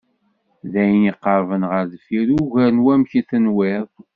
D ayen iqerben ɣer deffir ugar n wamek tenwiḍ.